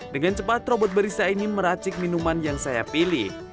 dengan cepat robot barista ini meracik minuman yang saya pilih